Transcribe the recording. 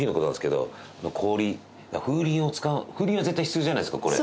氷風鈴を使う風鈴は絶対必要じゃないですかこれ。